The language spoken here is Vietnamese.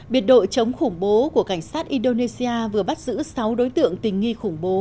biệt đội chống khủng bố của cảnh sát indonesia vừa bắt giữ sáu đối tượng tình nghi khủng bố